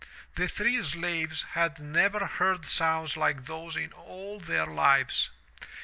The three slaves had never heard sounds like those in all their lives.